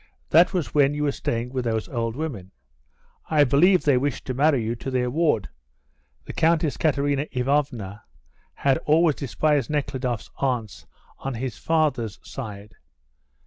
That was when you were staying with those old women. I believe they wished to marry you to their ward (the Countess Katerina Ivanovna had always despised Nekhludoff's aunts on his father's side).